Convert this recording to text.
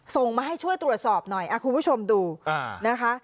ส่งมาให้ช่วยตรวจสอบหน่อยคุณผู้ชมดูนะคะ